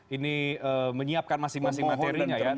ini menyiapkan masing masing materinya ya